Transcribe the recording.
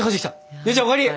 姉ちゃんお帰り！